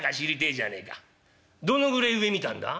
どのぐれえ上見たんだ？」。